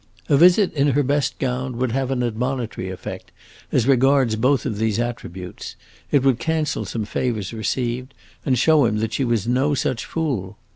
A visit in her best gown would have an admonitory effect as regards both of these attributes; it would cancel some favors received, and show him that she was no such fool!